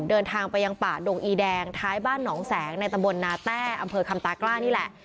เดินทางไปยังป่าดงอีแดงท้ายบ้านหนองแสงในตำบลนาแต้อำเภอคำตากล้านี่แหละ